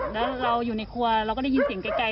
แล้วเราอยู่ในครัวเราก็ได้ยินเสียงไกล